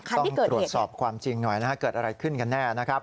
ต้องตรวจสอบความจริงหน่อยนะครับเกิดอะไรขึ้นกันแน่นะครับ